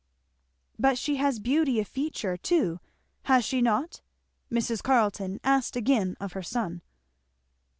"But she has beauty of feature too, has she not?" Mrs. Carleton asked again of her son.